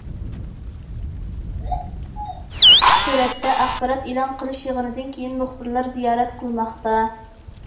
سۈرەتتە: ئاخبارات ئېلان قىلىش يىغىنىدىن كېيىن مۇخبىرلار زىيارەت قىلماقتا.